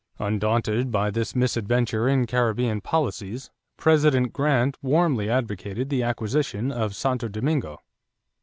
Undaunted by the misadventure in Caribbean policies, President Grant warmly advocated the acquisition of Santo Domingo.